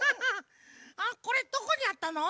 あっこれどこにあったの？